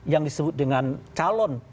yang disebut dengan calon